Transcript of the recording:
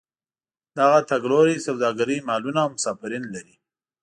دغه تګ لوري سوداګرۍ مالونه او مسافرین لري.